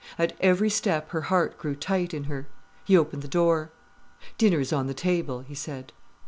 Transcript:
At every step her heart grew tight in her. He opened the door. "Dinner is on the table," he said.